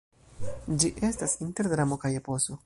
Ĝi estas inter dramo kaj eposo.